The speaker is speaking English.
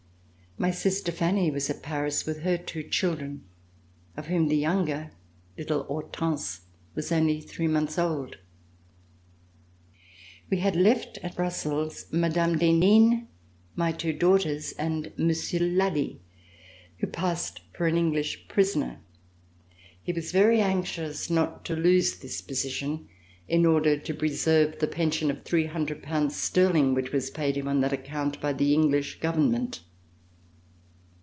My sister Fanny was at Paris with her two children, of whom the younger, little Hortense, was only three months old. RECOLLECTIONS OF THE REVOLUTION We had left at Brussels, Mme. d'Henin, my two daughters and Monsieur de Lally, who passed for an English prisoner. He was very anxious not to lose this position, in order to preserve the pension of 300 pounds sterling which was paid him on that account by the English government.